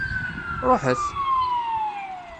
Ruḥet!